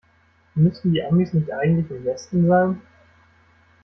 Müssten die Amis nicht eigentlich im Westen sein?